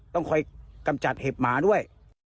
ต้องคอยกำจัดเห็บหมาด้วย